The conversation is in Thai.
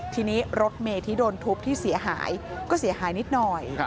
ทีนี้รถเมย์ที่โดนทุบที่เสียหายก็เสียหายนิดหน่อย